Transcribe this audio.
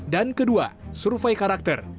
dan kedua survei karakter